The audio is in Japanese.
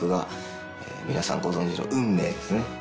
皆さんご存じの『運命』ですね。